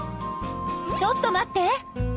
ちょっと待って。